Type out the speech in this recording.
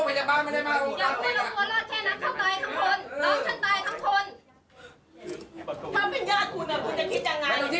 กลับมาดิแบบของจ้อนปิดประดูกไป